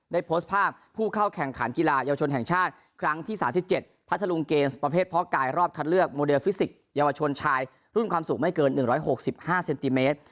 ได้โพสต์ภาพผู้เข้าแข่งขันกีฬาเยาวชนแห่งชาติครั้งที่๓๗พัทธรุงเกมส์ประเภทเพาะกายรอบคัดเลือกโมเดลฟิสิกส์เยาวชนชายรุ่นความสูงไม่เกิน๑๖๕เซนติเมตร